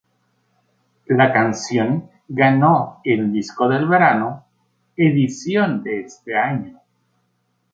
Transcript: La canción ganó el "Disco para el verano" edición de ese año.